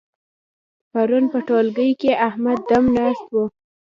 پرون په ټولګي کې احمد دم ناست وو.